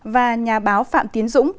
và nhà báo phạm tiến dũng